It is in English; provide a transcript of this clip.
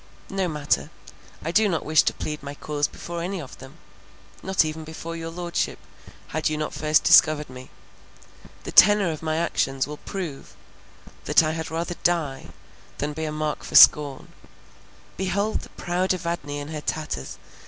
No matter: I do not wish to plead my cause before any of them, not even before your Lordship, had you not first discovered me. The tenor of my actions will prove that I had rather die, than be a mark for scorn—behold the proud Evadne in her tatters!